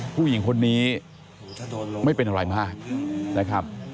ผู้หญิงคนนี้ไม่เป็นอะไรมากนะครับ